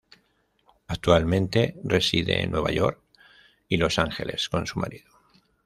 Actualmente reside en Nueva York y Los Ángeles con su marido.